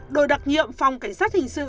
đội đặc nhiệm phòng cảnh sát hình sự